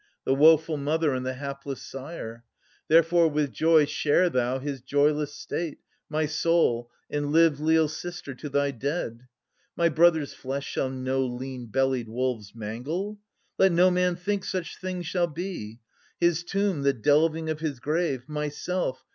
The woeful mother and the hapless sire ? Therefore with joy share thou his joyless state, My soul, and live leal sister to thy dead. My brother's flesh shall no lean bellied wolves Mangle : let no man think such thing shall be« His tomb, the delving of his grave, myself.